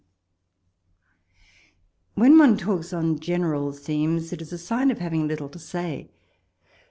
When one talks on general themes, it is a sign of having little to say.